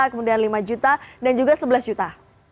kemudian lima juta dan juga sebelas juta